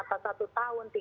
atau satu tahun